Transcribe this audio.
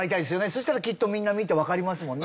そうしたらきっとみんな見てわかりますもんね。